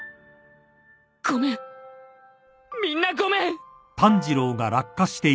ごめんみんなごめん